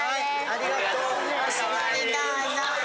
ありがとう。